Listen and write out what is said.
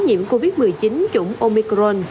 nhiễm covid một mươi chín chủng omicron